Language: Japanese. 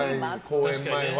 公演前は。